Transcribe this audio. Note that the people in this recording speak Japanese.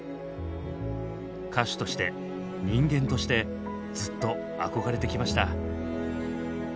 歌手として人間としてずっと憧れてきました。